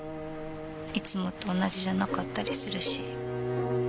いつもと同じじゃなかったりするし。